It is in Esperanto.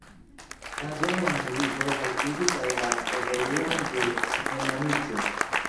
La dua mondmilito haltigis la evoluon de Nemanice.